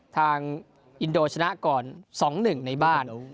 ทางอินโดชนะก่อน๒๑ในบ้าน